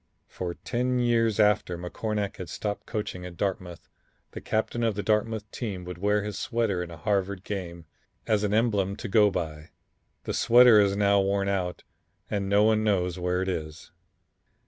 For ten years after McCornack had stopped coaching at Dartmouth, the captain of the Dartmouth team would wear his sweater in a Harvard game as an emblem to go by. The sweater is now worn out, and no one knows where it is.